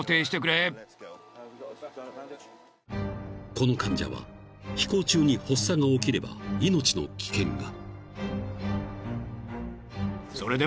［この患者は飛行中に発作が起きれば命の危険が］